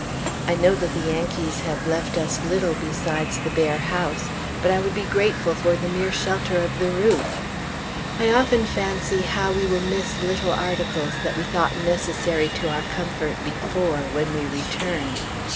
I know that the Yankees have left us little besides the bare house; but I would be grateful for the mere shelter of the roof. I often fancy how we will miss little articles that we thought necessary to our comfort before, when we return....